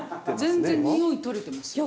全然におい取れてますよ。